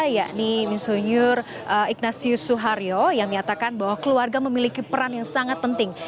yakni insinyur ignatius suharyo yang menyatakan bahwa keluarga memiliki peran yang sangat penting